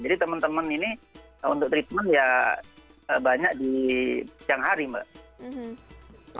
jadi teman teman ini untuk treatment ya banyak di siang hari mbak